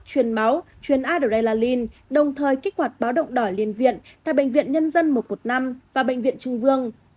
chuyên máu chuyên adrenaline đồng thời kích hoạt báo động đổi liên viện tại bệnh viện nhân dân một trăm một mươi năm và bệnh viện trưng vương